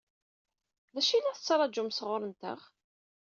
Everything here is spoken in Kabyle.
D acu i la tettṛaǧum sɣur-nteɣ?